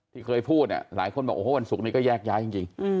ที่เคยพูดหลายคนบอกโอ้โหวันศุกร์นี้ก็แยกย้ายจริง